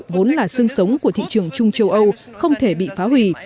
vốn là sương sống của thị trường chung châu âu không thể bị phá hủy